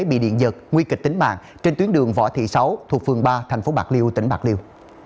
bị điện giật nguy kịch tính mạng trên tuyến đường võ thị sáu thuộc phường ba thành phố bạc liêu tỉnh bạc liêu